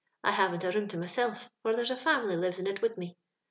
I haven't a room to mysilf, for there's a family lives in it ¥rid me.